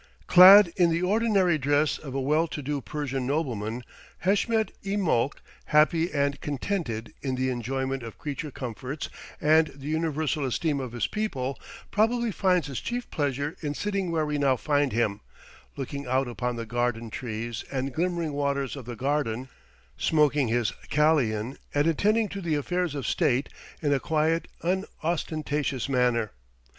Clad in the ordinary dress of a well to do Persian nobleman, Heshmet i Molk, happy and contented in the enjoyment of creature comforts and the universal esteem of his people, probably finds his chief pleasure in sitting where we now find him, looking out upon the green trees and glimmering waters of the garden, smoking his kalian, and attending to the affairs of state in a quiet, unostentatious manner.